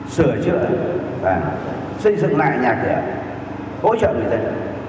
sửa chữa và xây dựng lại nhà cửa hỗ trợ người dân